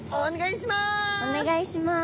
お願いします。